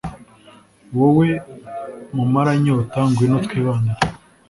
wowe mumaranyota ngwino twibanire